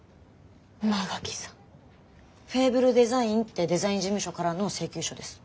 フェーブルデザインってデザイン事務所からの請求書です。